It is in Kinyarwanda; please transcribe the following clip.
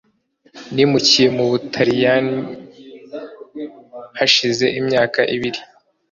nimukiye mu baturanyi hashize imyaka ibiri.